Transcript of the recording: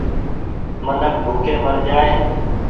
منک ڀوڪي مرجآئي ۔